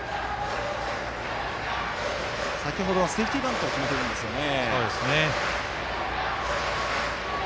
先ほど、セーフティーバントを決めているんですよね。